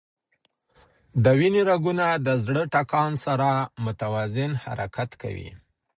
د وینې رګونه د زړه د ټکان سره متوازن حرکت کوي.